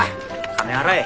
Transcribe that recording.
金払え。